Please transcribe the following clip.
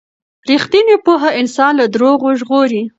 ریښتینې پوهه انسان له درواغو ژغوري.